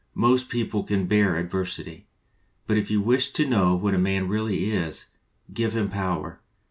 "Most people can bear adversity. But if you wish to know what a man really is, give him power.